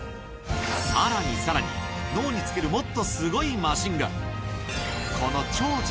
さらにさらに、脳につけるもっとすごいマシンが。